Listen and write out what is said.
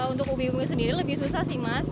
untuk ubi ungu sendiri lebih susah sih mas